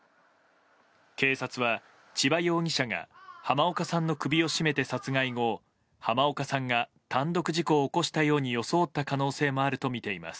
警察は千葉容疑者が濱岡さんの首を絞めて殺害後濱岡さんが単独事故を起こしたように装った可能性もあるとみています。